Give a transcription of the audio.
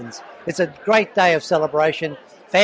ini adalah hari yang bagus untuk perkembangannya